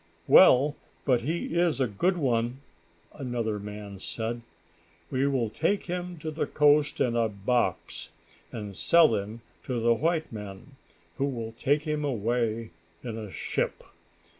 "Well, but he is a good one," another man said. "We will take him to the coast in a box, and sell him to the white men who will take him away in a ship.